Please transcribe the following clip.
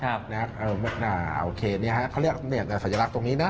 โอเคเค้าเรียกแต่สัญลักษณ์ตรงนี้นะ